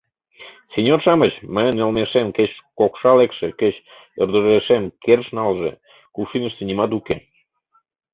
— Синьор-шамыч, мыйын йылмешем кеч кокша лекше, кеч ӧрдыжешем керш налже — кувшиныште нимат уке!